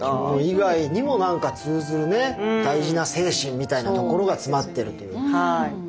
着物以外にも何か通ずるね大事な精神みたいなところが詰まってるという。